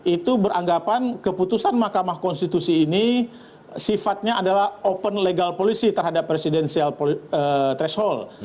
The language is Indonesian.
itu beranggapan keputusan mahkamah konstitusi ini sifatnya adalah open legal policy terhadap presidensial threshold